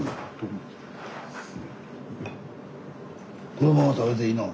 このまま食べていいの？